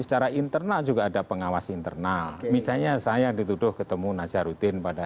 secara internal juga ada pengawas internal misalnya saya dituduh ketemu nazarudin pada